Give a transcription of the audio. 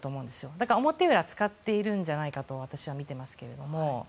だから表裏使っているんじゃないかと私はみてますけれども。